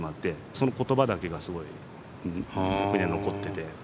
その言葉だけがすごい、僕には残ってて。